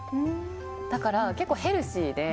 だから結構ヘルシーで。